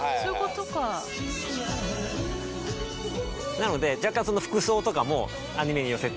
なので若干服装とかもアニメに寄せて。